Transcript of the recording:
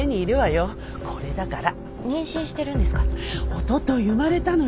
おととい生まれたのよ。